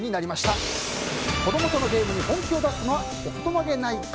子供とのゲームに本気を出すのは大人げないか。